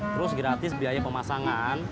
terus gratis biaya pemasangan